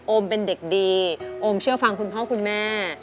เป็นเด็กดีโอมเชื่อฟังคุณพ่อคุณแม่